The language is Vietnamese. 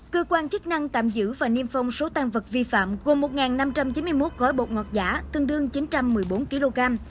cơ quan chức năng tạm giữ và niêm phong số tăng vật vi phạm gồm một năm trăm chín mươi một gói bột ngọt giả tương đương chín trăm một mươi bốn kg